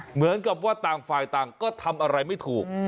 เหมือนกับว่าต่างฝ่ายต่างก็ทำอะไรไม่ถูก